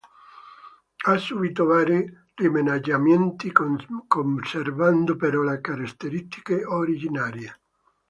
Ha subito vari rimaneggiamenti, conservando però le caratteristiche originarie.